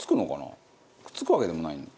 くっつくわけでもないの？